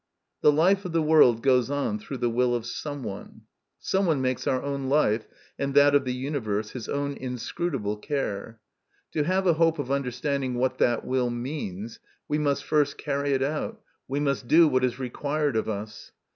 The life of the world goes on through the will of someone. Someone makes our own life and that of the universe his own inscrutable care. To have a hope of understanding what that will means, we must first carry it out, we must do what is required of us.